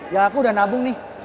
ya aku udah nabung nih